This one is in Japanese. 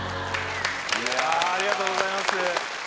ありがとうございます！